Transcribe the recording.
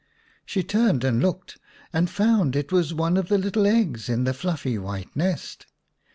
She turned and looked, and found it was one of the little eggs in the fluffy white nest.